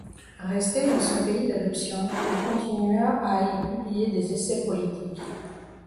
Resté dans son pays d'adoption, il continua à y publier des essais politiques.